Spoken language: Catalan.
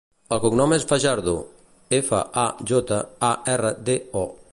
El cognom és Fajardo: efa, a, jota, a, erra, de, o.